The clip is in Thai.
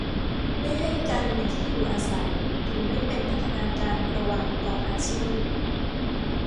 ไม่ให้การมีที่อยู่อาศัยหรือไม่เป็นพันธนาการระหว่างประกอบอาชีพ